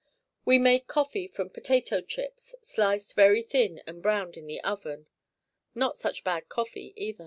We made coffee from potato chips, sliced very thin and browned in the oven. Not such bad coffee, either.